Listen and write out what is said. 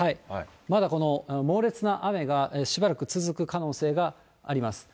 まだこの猛烈な雨がしばらく続く可能性があります。